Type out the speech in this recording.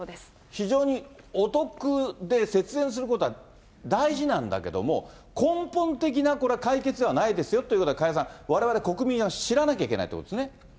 非常にお得で、節電することは大事なんだけれども、根本的なこれ、解決ではないですよということは、加谷さん、われわれ、国民は知らなきゃいけないということですね